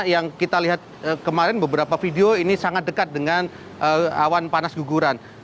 yang kita lihat kemarin beberapa video ini sangat dekat dengan awan panas guguran